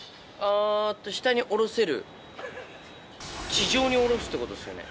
地上に降ろすってことですよね？